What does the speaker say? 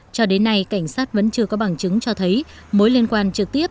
cho đến nay cảnh sát vẫn chưa có bằng chứng cho thấy mối liên quan trực tiếp